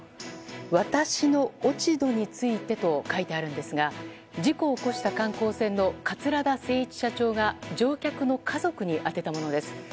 私の落ち度についてと書いてあるんですが事故を起こした観光船の桂田精一社長が乗客の家族に宛てたものです。